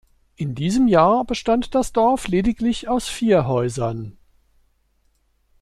In diesem Jahr bestand das Dorf lediglich aus vier Häusern.